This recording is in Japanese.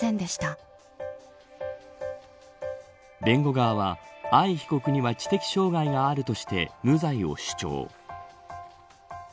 弁護側は、藍被告には知的障害があるとして無罪を主張。